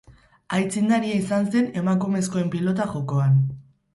Aitzindaria izan zen emakumezkoen pilota jokoan.